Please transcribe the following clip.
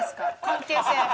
関係性。